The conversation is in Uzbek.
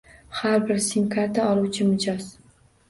Har bir sim karta oluvchi mijoz